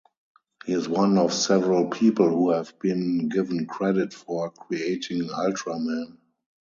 He is one of several people who have been given credit for creating Ultraman.